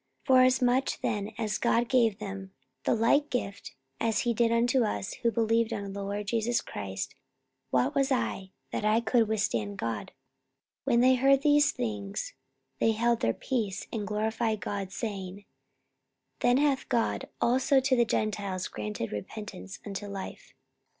44:011:017 Forasmuch then as God gave them the like gift as he did unto us, who believed on the Lord Jesus Christ; what was I, that I could withstand God? 44:011:018 When they heard these things, they held their peace, and glorified God, saying, Then hath God also to the Gentiles granted repentance unto life.